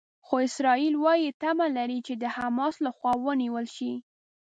خو اسرائیل وايي تمه لري چې د حماس لخوا نیول شوي.